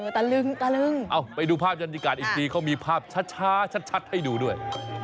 ตะลึงไปดูภาพจันทิการอีกทีเขามีภาพชัดชัดให้ดูด้วย